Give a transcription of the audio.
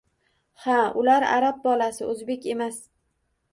Ha, ular arab bolasi, o‘zbek emas